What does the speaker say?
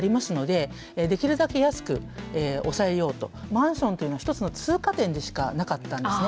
マンションというのは一つの通過点でしかなかったんですね。